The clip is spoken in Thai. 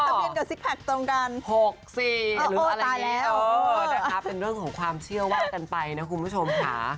เดี๋ยวซิกแพ็คตรงกัน๖๔หรืออะไรอย่างนี้นะครับเป็นเรื่องของความเชื่อว่ากันไปนะคุณผู้ชมค่ะ